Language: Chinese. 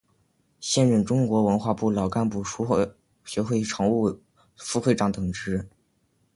现任中国文化部老干部书画学会常务副会长等职。